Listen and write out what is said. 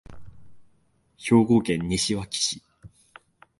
兵庫県西脇市